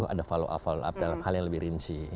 ada follow up follow up dalam hal yang lebih rinci